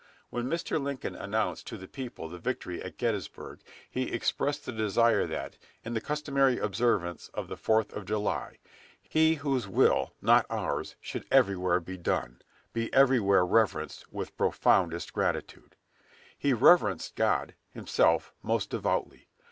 When Mr. Lincoln announced to the people the victory at Gettysburg, he expressed the desire that, in the customary observance of the Fourth of July, "He whose will, not ours, should everywhere be done, be everywhere reverenced with profoundest gratitude." He reverenced God, himself, most devoutly.